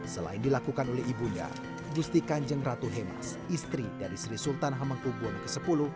selain dilakukan oleh ibunya gusti kanjeng ratu hemas istri dari sri sultan hamengkubwono x